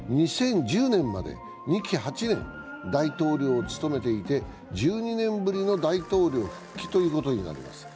２０１０年まで２期８年大統領を務めていて、１２年ぶりの大統領復帰ということになります。